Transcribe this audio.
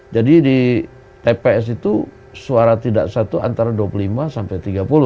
jadi di tps itu suara tidak satu antara dua puluh lima sampai tiga puluh